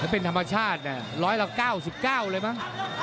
เป็นธรรมชาติร้อยละ๙๙เลยมั้ง